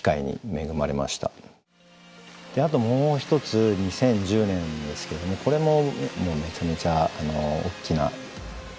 あともう一つ２０１０年ですけどもこれもめちゃめちゃ大きな機会でしたね。